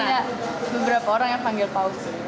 tapi kayak beberapa orang yang panggil pau sih